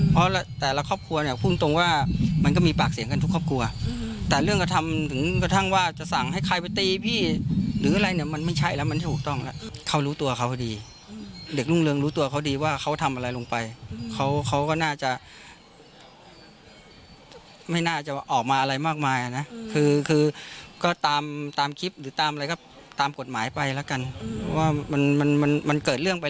เพราะแต่ละครอบครัวเนี่ยพูดตรงว่ามันก็มีปากเสียงกันทุกครอบครัวแต่เรื่องกระทำถึงกระทั่งว่าจะสั่งให้ใครไปตีพี่หรืออะไรเนี่ยมันไม่ใช่แล้วมันไม่ถูกต้องแล้วเขารู้ตัวเขาพอดีเด็กรุ่งเรืองรู้ตัวเขาดีว่าเขาทำอะไรลงไปเขาเขาก็น่าจะไม่น่าจะออกมาอะไรมากมายนะคือคือก็ตามตามคลิปหรือตามอะไรก็ตามกฎหมายไปแล้วกันว่ามันมันเกิดเรื่องไป